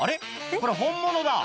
これ本物だ！